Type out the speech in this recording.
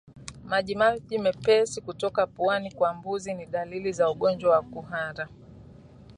Majimaji mepesi kutoka puani kwa mbuzi ni dalili za ugonjwa wa kuhara